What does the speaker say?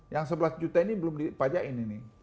yang sebelas juta ini belum dipajakin ini